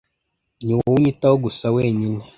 ni wowe unyitaho gusa wenyine